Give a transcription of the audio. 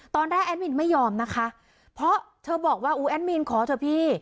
แอดมินไม่ยอมนะคะเพราะเธอบอกว่าอู๋แอดมินขอเถอะพี่